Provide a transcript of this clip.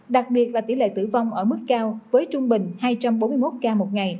đặc biệt là tỷ lệ tử vong ở mức cao với trung bình hai trăm bốn mươi một ca một ngày